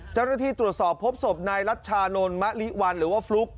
เจ้าหน้าที่ตรวจสอบพบศพนายรัชชานนท์มะลิวันหรือว่าฟลุ๊ก